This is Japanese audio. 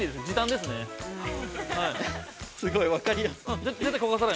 ◆すごい分かりやすい。